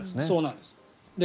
そうなんです。